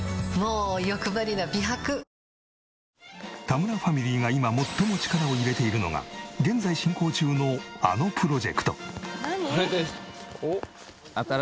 田村ファミリーが今最も力を入れているのが現在進行中のあのプロジェクト。